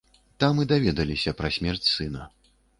Там і даведаліся пра смерць сына.